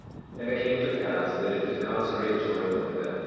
27:26 And it came to pass that it did cause great joy among them.